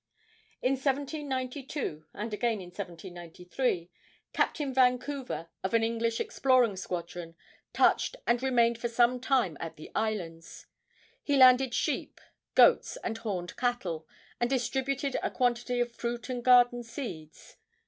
In 1792, and again in 1793, Captain Vancouver, of an English exploring squadron, touched and remained for some time at the islands. He landed sheep, goats and horned cattle, and distributed a quantity of fruit and garden seeds.